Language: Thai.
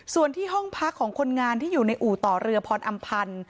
ส่วนที่ห้องพักของคนงานที่อยู่ในอู่ต่อเรือพรอำพันธ์